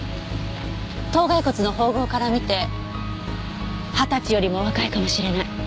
頭蓋骨の縫合から見て二十歳よりも若いかもしれない。